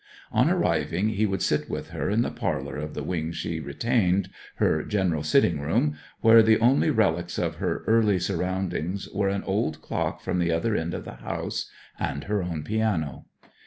On arriving, he would sit with her in the 'parlour' of the wing she retained, her general sitting room, where the only relics of her early surroundings were an old clock from the other end of the house, and her own piano.